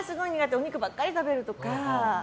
お肉ばっかり食べるとか。